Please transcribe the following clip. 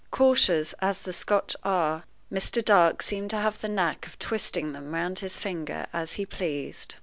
Cautious as the Scotch are, Mr. Dark seemed to have the knack of twisting them round his finger as he pleased.